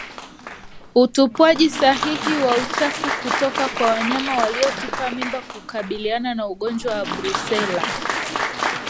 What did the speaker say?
Utupwaji sahihi wa uchafu kutoka kwa wanyama waliotupa mimba hukabiliana na ugonjwa wa Brusela